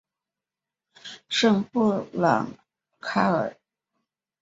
圣布朗卡尔。